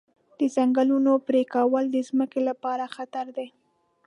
د ځنګلونو پرېکول د ځمکې لپاره خطر دی.